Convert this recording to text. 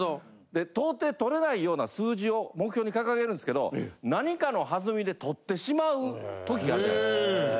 で到底とれないような数字を目標に掲げるんですけど何かのはずみでとってしまう時があるじゃないですか。